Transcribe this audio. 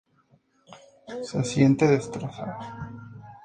Süß se siente destrozado.